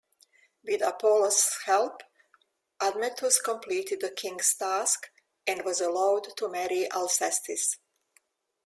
With Apollo's help, Admetus completed the king's task, and was allowed to marry Alcestis.